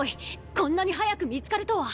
こんなに早く見つかるとは！